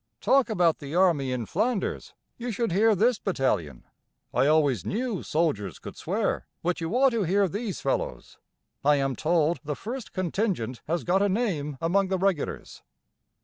Talk about the Army in Flanders! You should hear this battalion. I always knew soldiers could swear, but you ought to hear these fellows. I am told the first contingent has got a name among the regulars.